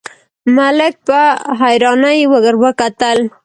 ملک په حيرانۍ ور وکتل: